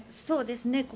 そうですね。